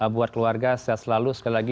buat keluarga sehat selalu sekali lagi